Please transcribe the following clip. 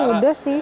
tadi unduh sih